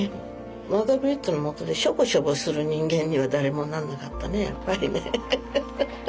マザー・ブリットのもとでしょぼしょぼする人間には誰もなんなかったねやっぱりね。